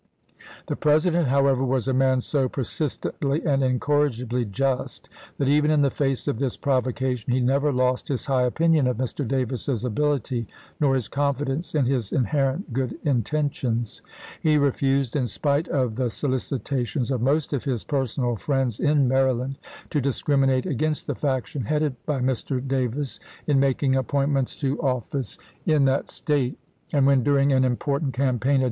The President, however, was a man so persistently and incorrigibly just, that, even in the face of this provocation, he never lost his high opinion of Mr. Davis's ability nor his confidence in his inherent good intentions. He refused, in spite of the solici tations of most of his personal friends in Maryland, to discriminate against the faction headed by Mr. Davis in making appointments to office in that THE WADE DAVIS MANIFESTO 115 State; and when, during an important campaign, chap.